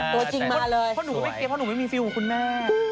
เพราะหนูไม่เกลียดเพราะหนูไม่มีฟิวของคุณหน้า